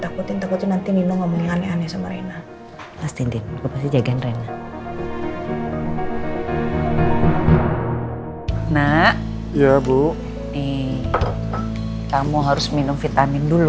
takutin takut nanti minum ngomong aneh aneh sama reina pastiin itu pasti jagain renna nah iya bu nih kamu harus minum vitamin dulu